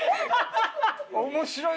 面白いぞ。